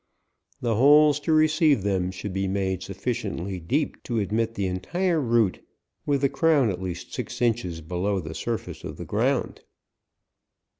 The holes to receive them should be made sufficiently deep to admit the entire root, with the crown at least six inches below the surface of the. ground.